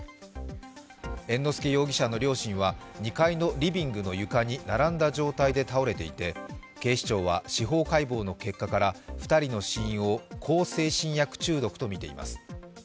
猿之助容疑者の両親は、２階のリビングの床に並んだ状態で倒れていて警視庁は司法解剖の結果から２人の死因を向精神薬中毒とみています。